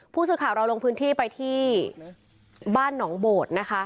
ผู้สื่อข่าวเราลงพื้นที่ไปที่บ้านหนองโบดนะคะ